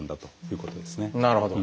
なるほど。